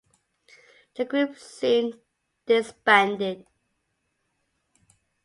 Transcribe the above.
The group soon disbanded.